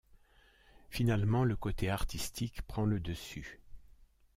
Finalement, le côté artistique prend le dessus.